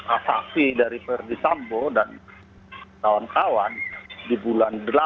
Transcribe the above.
asaksi dari perdisambo dan kawan kawan di bulan delapan